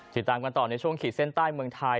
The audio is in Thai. ติดตามกันต่อในช่วงขีดเส้นใต้เมืองไทย